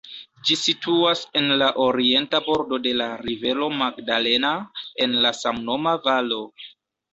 Ĝi situas en la orienta bordo de la rivero Magdalena, en la samnoma valo.